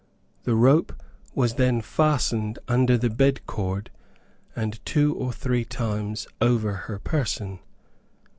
The rope was then fastened under the bedcord, and two or three times over her person.